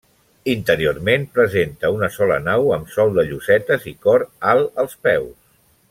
Interiorment presenta una sola nau amb sòl de llosetes i cor alt als peus.